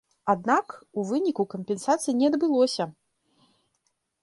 Аднак у выніку кампенсацый не адбылося.